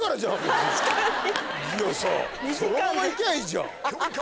そのまま行きゃいいじゃん。